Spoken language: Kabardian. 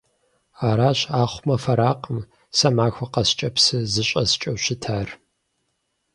Аращ, ахъумэ фэракъым, сэ махуэ къэскӀэ псы зыщӀэскӀэу щытар.